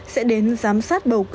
sẽ đến giám sát bầu cử